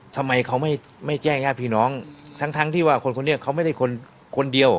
ทำไมเขาไม่ไม่แจ้งญาติพี่น้องทั้งทั้งที่ว่าคนคนนี้เขาไม่ได้คนคนเดียว